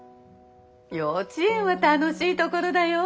幼稚園は楽しいところだよ。